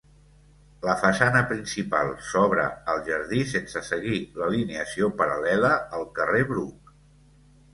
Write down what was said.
La façana principal s'obre al jardí sense seguir l'alineació paral·lela al carrer Bruc.